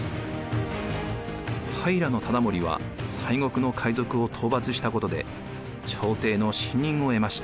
平忠盛は西国の海賊を討伐したことで朝廷の信任を得ました。